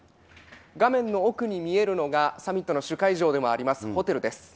画面の奥に見えるのが、サミットの主会場でもありますホテルです。